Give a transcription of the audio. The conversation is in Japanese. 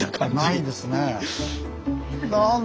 ないですね。